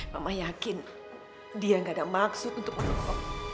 mama yakin dia gak ada maksud untuk menopang